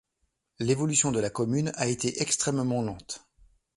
L'évolution de la commune a été extrêmement lente.